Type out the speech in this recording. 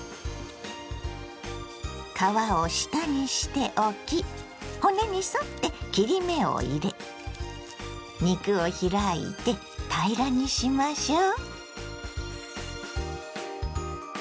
皮を下にして置き骨に沿って切り目を入れ肉を開いて平らにしましょう。